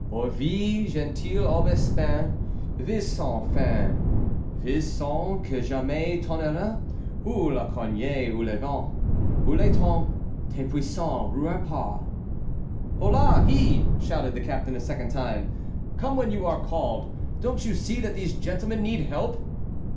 "Or, vis, gentil aubespin Vis sans fin; Vis, sans que jamais tonnerre, Ou la cognée, ou les vents Ou le temps Te puissent ruer par.". . . "Holá! hé!" shouted the captain a second time, "come when you are called. Don't you see that these gentlemen need help?"